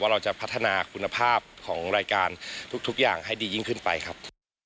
เราจะพัฒนาคุณภาพของรายการทุกอย่างให้ดียิ่งขึ้นไปครับ